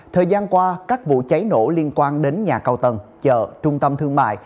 thời gian qua các vụ cháy nổ liên quan đến nhà cao tầng chợ trung tâm thương mại